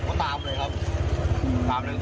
พอตามปุ๊บผมก็เห็นตามภูมิ